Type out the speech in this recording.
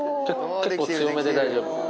結構強めで大丈夫。